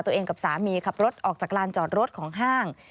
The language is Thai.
ตัวเองกับสามีขับรถออกจากลานจอดรถของห้าง